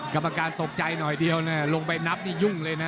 กรรมการตกใจหน่อยเดียวลงไปนับนี่ยุ่งเลยนะ